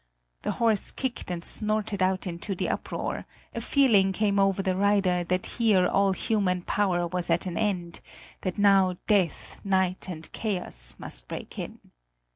The horse kicked and snorted out into the uproar; a feeling came over the rider that here all human power was at an end; that now death, night, and chaos must break in.